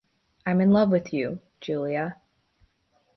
I’m in love with you, Julia.